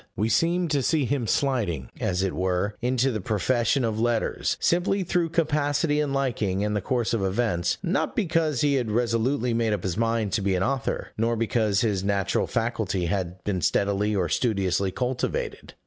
We seem to see him sliding, as it were, into the profession of letters, simply through capacity and liking, and the course of events not because he had resolutely made up his mind to be an author, nor because his natural faculty had been steadily or studiously cultivated.